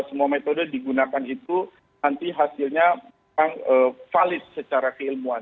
semua metode digunakan itu nanti hasilnya memang valid secara keilmuan